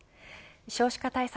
少子化対策